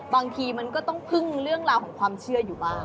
บางทีมันก็ต้องพึ่งเรื่องราวของความเชื่ออยู่บ้าง